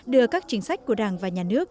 đưa các chính sách của đảng và nhà nước